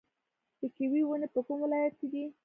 د کیوي ونې په کوم ولایت کې دي؟